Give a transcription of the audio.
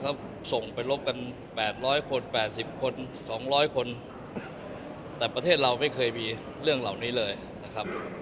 เขาส่งไปรบกัน๘๐๐คน๘๐คน๒๐๐คนแต่ประเทศเราไม่เคยมีเรื่องเหล่านี้เลยนะครับ